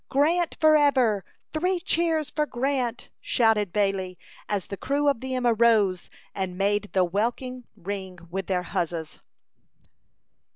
"Grant forever! Three cheers for Grant!" shouted Bailey, as the crew of the Emma rose and made the welkin ring with their huzzas.